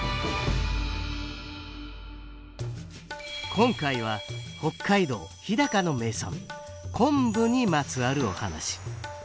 今回は北海道日高の名産昆布にまつわるお話。